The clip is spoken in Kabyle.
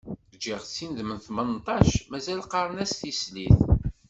Ǧǧiɣ-tt-in d mm tmenṭac, mazal qqaren-as "tislit".